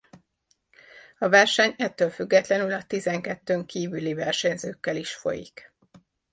A verseny ettől függetlenül a tizenkettőn kívüli versenyzőkkel is folyik.